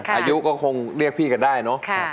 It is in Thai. อายุก็คงเรียกพี่กันได้เนอะ